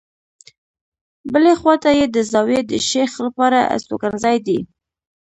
بلې خواته یې د زاویې د شیخ لپاره استوګنځای دی.